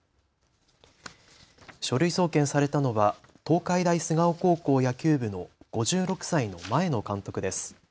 書類送検されたのは東海大菅生高校野球部の５６歳の前の監督です。